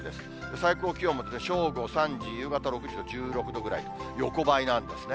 最高気温も正午、３時、夕方６時と１６度ぐらい、横ばいなんですね。